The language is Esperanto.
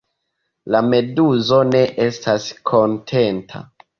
La meduzo ne estas kontenta.